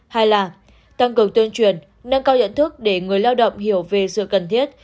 hai là tăng cường tuyên truyền nâng cao nhận thức để người lao động hiểu về sự cần thiết